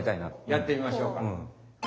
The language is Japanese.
やってみましょうか。